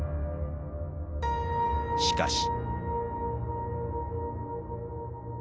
しかし。